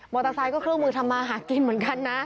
เตอร์ไซค์ก็เครื่องมือทำมาหากินเหมือนกันนะ